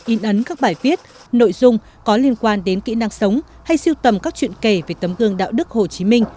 in ấn các bài viết nội dung có liên quan đến kỹ năng sống hay siêu tầm các chuyện kể về tấm gương đạo đức hồ chí minh